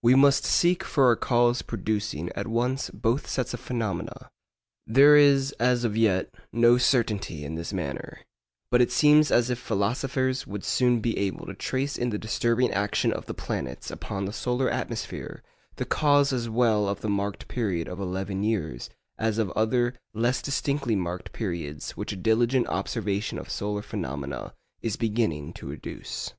We must seek for a cause producing at once both sets of phenomena. There is as yet no certainty in this matter, but it seems as if philosophers would soon be able to trace in the disturbing action of the planets upon the solar atmosphere the cause as well of the marked period of eleven years as of other less distinctly marked periods which a diligent observation of solar phenomena is beginning to educe.